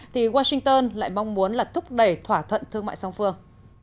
thì washington lại mong muốn là thúc đẩy thỏa thuận thương mại song phương